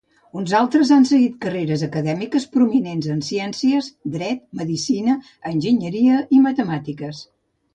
Uns altres han seguit carreres acadèmiques prominents en ciències, dret, medicina, enginyeria i matemàtiques.